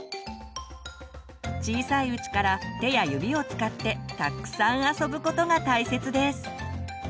小さいうちから手や指を使ってたっくさん遊ぶことが大切です。